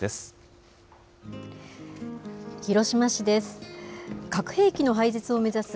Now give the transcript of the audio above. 広島市です。